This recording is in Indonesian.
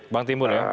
bang timur ya